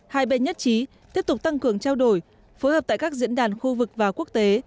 hai bên nhất trí tiếp tục tăng cường trao đổi phối hợp tại các diễn đàn khu vực và quốc tế